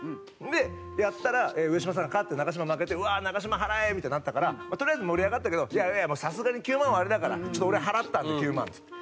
でやったら上島さんが勝ってナガシマ負けて「うわナガシマ払え！」みたいになったから「とりあえず盛り上がったけどさすがに９万はあれだからちょっと俺払ったんで９万」っつって。